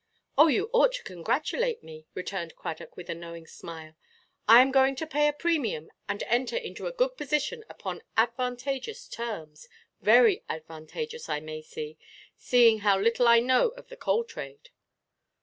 "Oh, you ought to congratulate me," returned Cradock, with a knowing smile: "I am going to pay a premium, and enter into a good position upon advantageous terms; very advantageous, I may say, seeing how little I know of the coal trade."